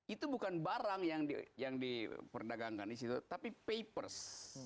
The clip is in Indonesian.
itu bukan barang yang diperdagangkan di situ tapi papers